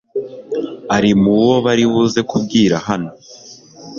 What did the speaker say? arimubo baribuze kubwira hano